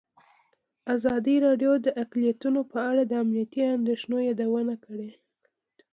ازادي راډیو د اقلیتونه په اړه د امنیتي اندېښنو یادونه کړې.